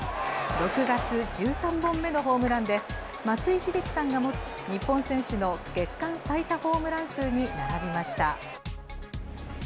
６月、１３本目のホームランで、松井秀喜さんが持つ日本選手の月間最多ホームラン数に並びました。